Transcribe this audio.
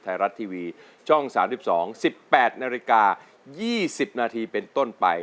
ไทยรัฐทีวีช่อง๓๒๑๘นาฬิกา๒๐นาทีเป็นต้นไป